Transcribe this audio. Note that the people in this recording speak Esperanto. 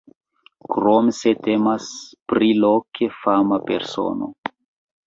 Krom se temas pri loke fama persono.